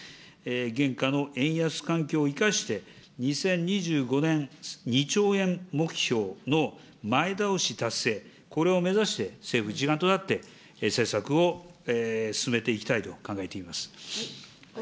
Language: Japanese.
現下の円安環境を生かして、２０２５年、２兆円目標の前倒し達成、これを目指して、政府一丸となって政策を進めていきたいと考えています。